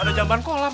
ada jamban kolam